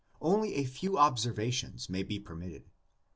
Only a few observations may be permitted.